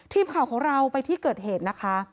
ทีมข่าวของเราไปที่เกิดเหตุนะคะ